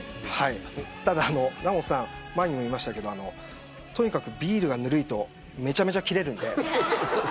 ただ、ラモスさん前にも言いましたけどとにかくビールがぬるいとめちゃくちゃ切れるんで。